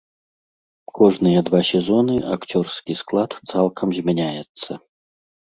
Кожныя два сезоны акцёрскі склад цалкам змяняецца.